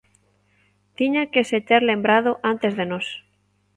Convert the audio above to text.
Tiñan que se ter lembrado antes de nós.